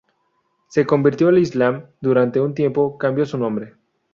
Se convirtió al Islam y durante un tiempo, cambió su nombre.